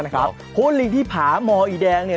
พวกลิงที่ผามองอีแดงเนี่ย